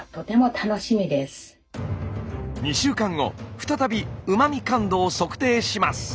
再びうま味感度を測定します。